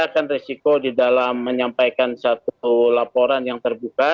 kan resiko di dalam menyampaikan satu laporan yang terbuka